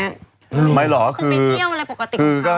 ไปเที่ยวอะไรปกติเท่านี้เนอะ